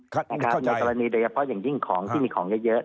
เข้าใจโดยเฉพาะอย่างยิ่งของที่มีของเยอะเยอะ